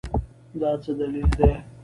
دا څه دلیل دی ؟